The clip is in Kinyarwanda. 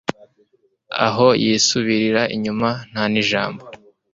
aho yisubirira inyuma ntanijambo